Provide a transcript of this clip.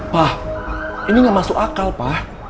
pa ini gak masuk akal pa